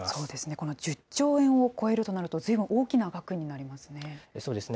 この１０兆円を超えるとなると、ずいぶん大きな額になりますね。